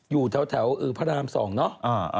อยู่แถวพระราม๒เนาะ